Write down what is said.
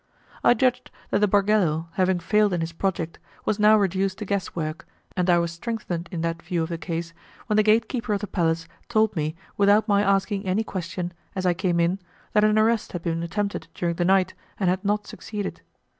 I judged that the bargello, having failed in his project, was now reduced to guesswork, and I was strengthened in that view of the case when the gate keeper of the palace told me, without my asking any question, as I came in, that an arrest had been attempted during the night, and had not succeeded.